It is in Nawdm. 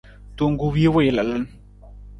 Tong ku wii wii lalan.